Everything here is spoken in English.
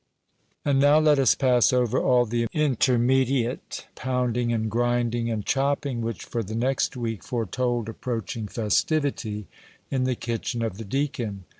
And now let us pass over all the intermediate pounding, and grinding, and chopping, which for the next week foretold approaching festivity in the kitchen of the deacon.